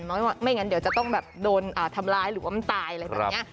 ไม่งั้นเดี๋ยวจะต้องแบบโดนทำร้ายหรือว่ามันตายอะไรแบบนี้